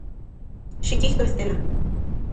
Xikijto, Estela.